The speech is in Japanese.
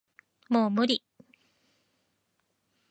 もう無理